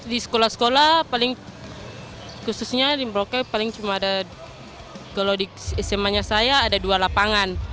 di sekolah sekolah paling khususnya di merauke paling cuma ada kalau di sma nya saya ada dua lapangan